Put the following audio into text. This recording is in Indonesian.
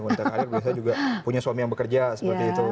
wanita karir biasanya juga punya suami yang bekerja seperti itu